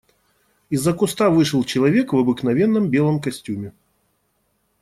Из-за куста вышел человек в обыкновенном белом костюме.